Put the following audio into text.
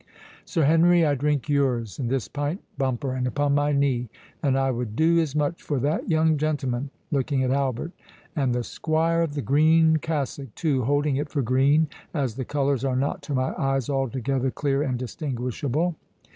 "Sir Henry, I drink yours in this pint bumper, and upon my knee; and I would do as much for that young gentleman"—(looking at Albert)—"and the squire of the green cassock too, holding it for green, as the colours are not to my eyes altogether clear and distinguishable."